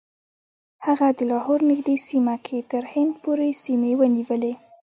هغه د لاهور نږدې سیمه کې تر هند پورې سیمې ونیولې.